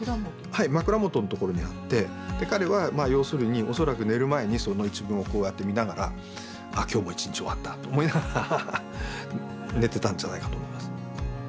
はい枕元のところにあって彼はまあ要するに恐らく寝る前にその一文をこうやって見ながら「あ今日も１日終わった」と思いながら寝てたんじゃないかと思います。